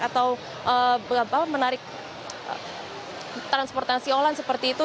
atau menarik transportasi online seperti itu